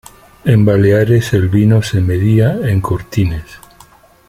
En Baleares, el vino se medía en "cortines".